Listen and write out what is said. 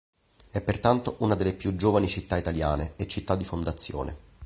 È pertanto una delle più giovani città italiane, e città di fondazione.